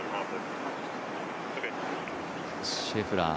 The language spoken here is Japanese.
シェフラー。